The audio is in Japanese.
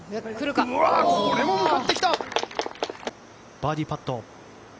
バーディーパット。